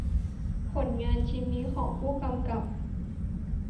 ผลงานชิ้นนี้ของผู้กำกับ